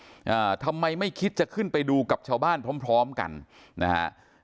อ่าทำไมไม่คิดจะขึ้นไปดูกับชาวบ้านพร้อมพร้อมกันนะฮะ